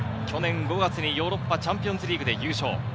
去年５月にヨーロッパチャンピオンズリーグで優勝。